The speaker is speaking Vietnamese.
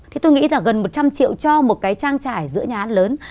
thì tôi nghĩ là gần một trăm linh triệu cho một cái trang trải giữa nhà hát lớn